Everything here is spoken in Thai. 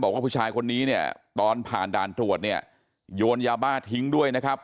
ว่าผู้ชายคนนี้เนี่ยตอนผ่านด่านตรวจเนี่ยโยนยาบ้าทิ้งด้วยนะครับ